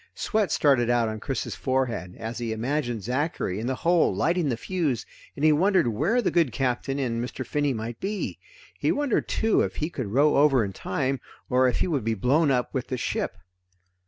Sweat started out on Chris's forehead, as he imagined Zachary in the hold lighting the fuse, and he wondered where the good Captain and Mr. Finney might be. He wondered too if he could row over in time, or if he would be blown up with the ship.